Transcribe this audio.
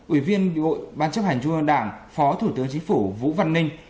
ủy viên ban chấp hành trung ương đảng phó thủ tướng chính phủ vũ văn ninh